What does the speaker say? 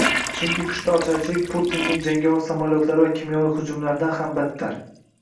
Chunki qishda ocharchilik Putinning jangovar samolyotlari va kimyoviy hujumlardan ham battar